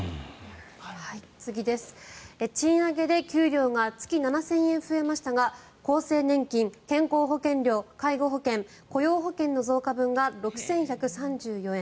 次です、賃上げで給料が月７０００円増えましたが厚生年金健康保険料、介護保険雇用保険の増加分が６１３４円。